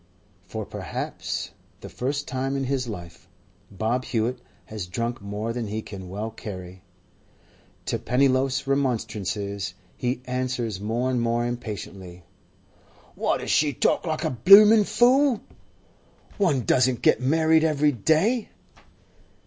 For perhaps the first time in his life Bob Hewett has drunk more than he can well carry. To Pennyloaf's remonstrances he answers more and more impatiently: 'Why does she talk like a bloomin' fool?—one doesn't get married every day.